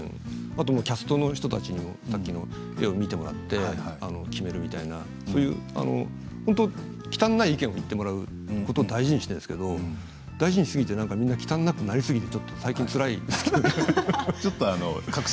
あとキャストの人たちにもさっきの絵を見てもらって決めるみたいな本当にきたんのない意見を言ってもらうことを大事にしているんですけれども大事にしすぎて、みんな最近きたんなくなりすぎて最近つらい、みたいな。